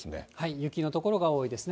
雪の所が多いですね。